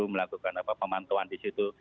melakukan pemantauan di situ